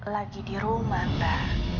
lagi di rumah mbak